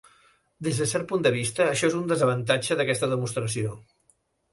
Des de cert punt de vista això és un desavantatge d'aquesta demostració.